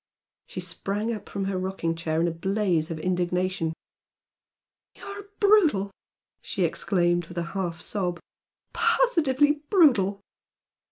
She sprang up from her rocking chair in a blaze of indignation. "You are brutal!" she exclaimed, with a half sob "Positively brutal!"